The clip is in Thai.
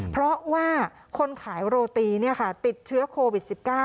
เพราะว่าคนขายโรตีติดเชื้อโควิด๑๙